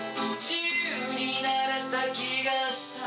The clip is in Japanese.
自由になれた気がした）